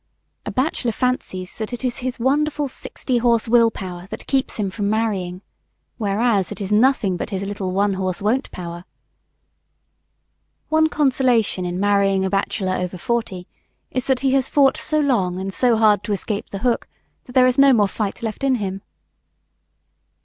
A bachelor fancies that it is his wonderful sixty horse will power that keeps him from marrying, whereas it is nothing but his little one horse won't power. One consolation in marrying a bachelor over forty is that he has fought so long and so hard to escape the hook that there is no more fight left in him.